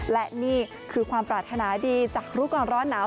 และนี่คือความปรารถนาดีจากรู้ก่อนร้อนหนาว